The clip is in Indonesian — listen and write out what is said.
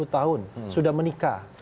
empat puluh tahun sudah menikah